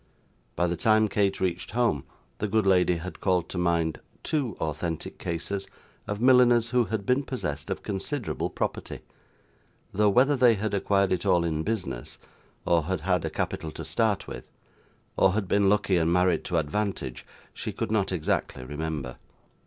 By the time Kate reached home, the good lady had called to mind two authentic cases of milliners who had been possessed of considerable property, though whether they had acquired it all in business, or had had a capital to start with, or had been lucky and married to advantage, she could not exactly remember.